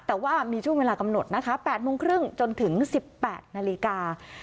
แต่ว่ามีช่วงเวลากำหนดนะคะ๘โมงครึ่งจนถึง๑๘นาฬิกา